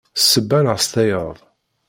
S ssebba neɣ s tayeḍ.